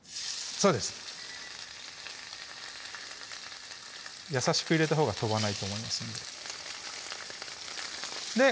そうです優しく入れたほうが飛ばないと思いますね